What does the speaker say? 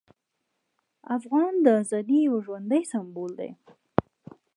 افغان د ازادۍ یو ژوندی سمبول دی.